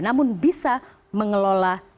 namun bisa mengelola